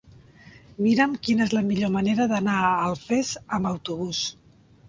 Mira'm quina és la millor manera d'anar a Alfés amb autobús.